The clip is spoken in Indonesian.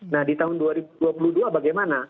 nah di tahun dua ribu dua puluh dua bagaimana